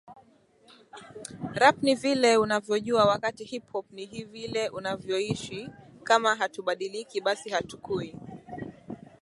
Rap ni vile unavyojua wakati hip hop ni vile unavyoishi Kama hatubadiliki basi hatukui